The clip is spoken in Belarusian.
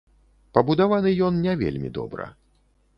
Пабудаваны ён не вельмі добра.